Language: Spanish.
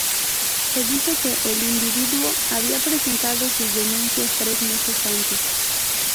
Se dijo que el individuo había presentado sus denuncias tres meses antes.